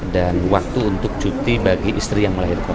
dan waktu untuk cuti bagi istri yang melahirkan